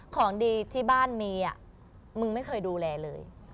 ของดีที่บ้านมีมึงไม่เคยดูแลเลย